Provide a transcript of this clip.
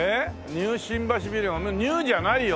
ニュー新橋ビルもニューじゃないよ